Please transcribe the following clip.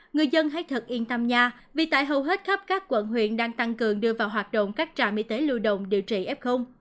người dân hãy thật yên tâm nhà vì tại hầu hết khắp các quận huyện đang tăng cường đưa vào hoạt động các trạm y tế lưu động điều trị f